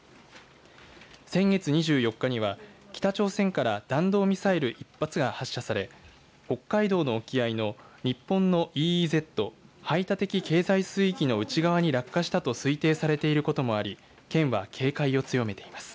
先月２４日には、北朝鮮から弾道ミサイル１発が発射され北海道の沖合の日本のＥＥＺ＝排他的経済水域の内側に落下したと推定されていることもあり県は警戒を強めています。